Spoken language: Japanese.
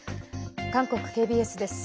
韓国ＫＢＳです。